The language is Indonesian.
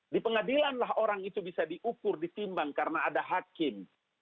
di pengadilan lah orang itu bisa diukur ditimbang karena ada hakim